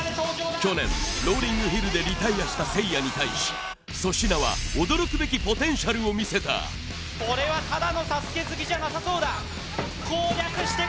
去年ローリングヒルでリタイアしたせいやに対し粗品は驚くべきポテンシャルを見せたこれはただのＳＡＳＵＫＥ好きじゃなさそうだ